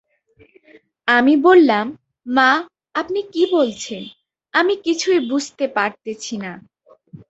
আমি বললাম, মা, আপনি কী বলছেন, আমি কিছুই বুঝতে পারতেছি না।